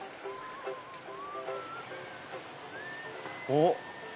おっ。